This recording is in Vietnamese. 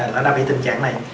nó đã bị tình trạng này